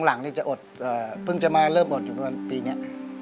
ก็หลังนี่จะอดเพิ่งจะมาเริ่มอดอยู่ปีนี้